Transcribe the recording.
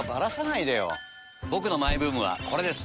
僕のマイブームはこれです。